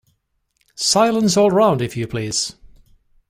Silence all round, if you please!